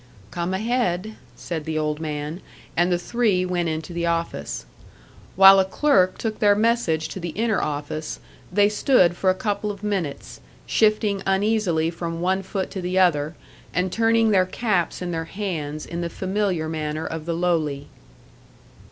"Come ahead," said the old man, and the three went into the office. While a clerk took their message to the inner office, they stood for a couple of minutes, shifting uneasily from one foot to the other, and turning their caps in their hands in the familiar manner of the lowly.